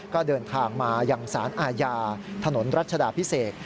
ก็เดินทางมายังสารอาญาถนนรัชดาพิเศษ